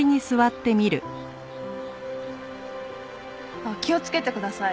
あっ気をつけてください。